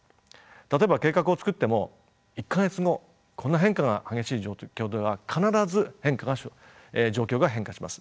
例えば計画を作っても１か月後こんな変化が激しい状況では必ず状況が変化します。